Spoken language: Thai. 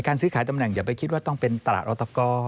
ซื้อขายตำแหนอย่าไปคิดว่าต้องเป็นตลาดออตก